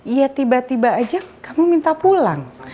ya tiba tiba aja kamu minta pulang